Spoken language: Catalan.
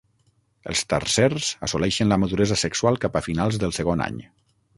Els tarsers assoleixen la maduresa sexual cap a finals del segon any.